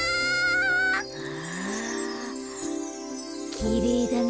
きれいだね。